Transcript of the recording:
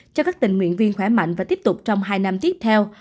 cho các tình nguyện viên khỏe mạnh và tiếp tục trong hai năm tiếp theo